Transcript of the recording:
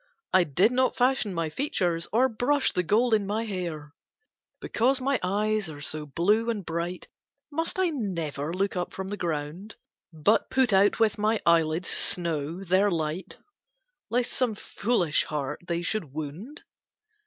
I did not fashion my features, Or brush the gold in my hair; Because my eyes are so blue and bright, Must I never look up from the ground, But put out with my eyelids' snow their light, Lest some foolish heart they should wound?